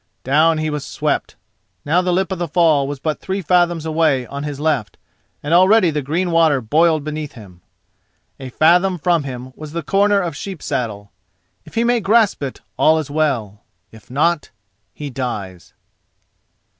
Down he was swept—now the lip of the fall was but three fathoms away on his left, and already the green water boiled beneath him. A fathom from him was the corner of Sheep saddle. If he may grasp it, all is well; if not, he dies.